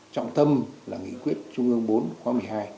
trọng tâm là nghị quyết trung ương bốn khóa một mươi hai